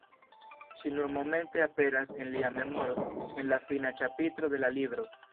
Ŝi nur momente aperas en lia memoro, en la fina ĉapitro de la libro.